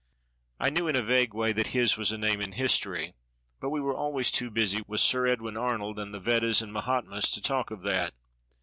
I knew in a vague way that his was a name in history; but we were always too busy with Sir Edwin Arnold and the Vedas and Mahatmas to talk of that.